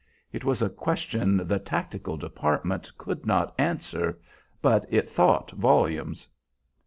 It was a question the "tactical department" could not answer, but it thought volumes.